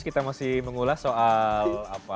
kita masih mengulas soal